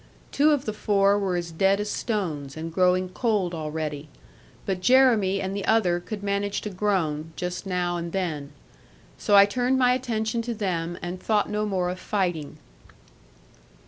Two of the four were as dead as stones, and growing cold already, but Jeremy and the other could manage to groan, just now and then. So I turned my attention to them, and thought no more of fighting.